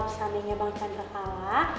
bisa anehnya bang chandra kalah